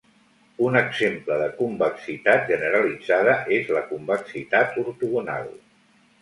Un exemple de convexitat generalitzada és la convexitat ortogonal.